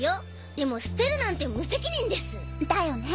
でも捨てるなんて無責任です！だよね！